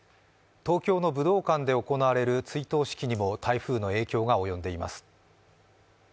東京の武道館で行われる追悼式にも台風の影響が及んでいます。